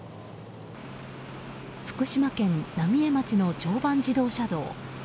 福島県浪江町の常磐自動車道。